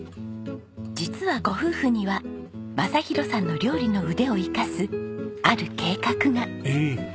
実はご夫婦には昌弘さんの料理の腕を生かすある計画が。ええ？